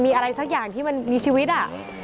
มีอะไรสักอย่างที่มันมีชีวิตอ่ะ